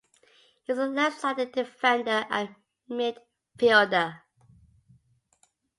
He is a left-sided defender and midfielder.